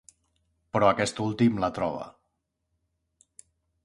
Però aquest últim la troba.